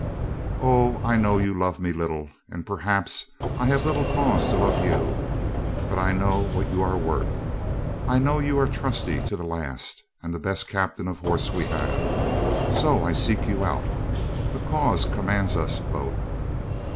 "O, sir, I know you love me little, and perhaps I have little cause to love you. But I know what you are worth. I know you are trusty to the last and the best captain of horse we have. So I seek you out. The cause commands us both."